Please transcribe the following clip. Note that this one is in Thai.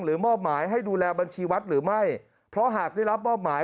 มอบหมายให้ดูแลบัญชีวัดหรือไม่เพราะหากได้รับมอบหมาย